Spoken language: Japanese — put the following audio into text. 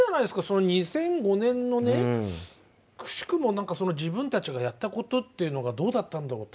その２００５年のねくしくも何かその自分たちがやったことっていうのがどうだったんだろう？